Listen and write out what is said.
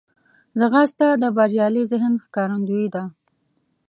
ځغاسته د بریالي ذهن ښکارندوی ده